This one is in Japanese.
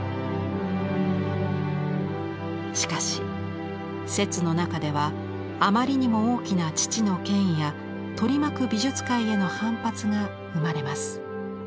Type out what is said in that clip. しかし摂の中ではあまりにも大きな父の権威や取り巻く美術界への反発が生まれます。